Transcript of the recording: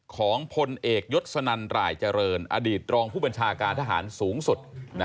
ของพลเอกยศนันหลายเจริญอดีตรองผู้บัญชาการทหารสูงสุด